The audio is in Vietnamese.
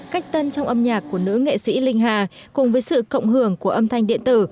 cách tân trong âm nhạc của nữ nghệ sĩ linh hà cùng với sự cộng hưởng của âm thanh điện tử